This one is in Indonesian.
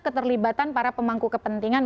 keterlibatan para pemangku kepentingan